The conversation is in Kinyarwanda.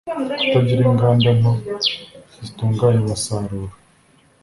kutagira inganda nto zitunganya umusaruro